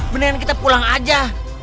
mendingan kita pulang aja